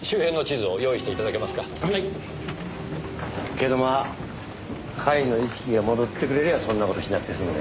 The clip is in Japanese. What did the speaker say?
けどまあ甲斐の意識が戻ってくれりゃそんな事しなくて済むぜ。